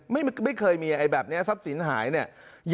ไม่เคยมีแบบนี้ทรัพย์สินหายเนี่ย